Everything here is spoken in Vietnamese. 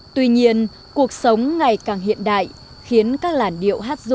tuy nhiên cuộc sống ngày càng hiện đại khiến các làn điệu hát ru dần mai một